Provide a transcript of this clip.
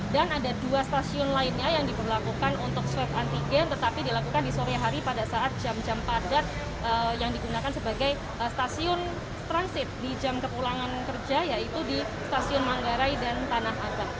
dan ada dua stasiun lainnya yang diperlakukan untuk swab antigen tetapi dilakukan di sore hari pada saat jam jam padat yang digunakan sebagai stasiun transit di jam keulangan kerja yaitu di stasiun manggarai dan tanah agar